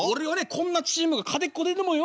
こんなチームが勝てっこねえと思うよ」。